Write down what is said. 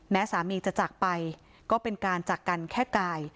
สามีจะจากไปก็เป็นการจากกันแค่กาย